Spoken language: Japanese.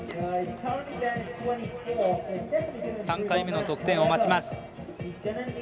３回目の得点を待ちます。